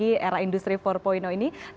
rumah yang op jeans